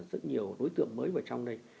rất nhiều đối tượng mới vào trong đây